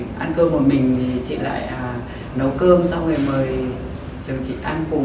khi buồn thì ăn cơm một mình thì chị lại nấu cơm xong rồi mời chồng chị ăn cùng